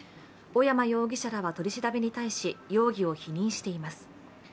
小山容疑者らは取り調べに対し容疑を否認しています。